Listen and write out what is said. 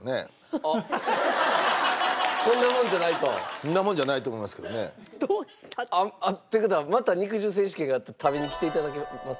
こんなもんじゃないと思いますけどね。って事はまた肉汁選手権があったら食べにきて頂けます？